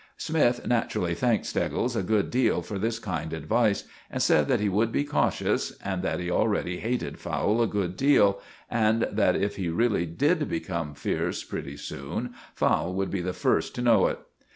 Smythe naturally thanked Steggles a good deal for this kind advice, and said that he would be cautious, and that he already hated Fowle a good deal, and that if he really did become fierce pretty soon, Fowle would be the first to know it.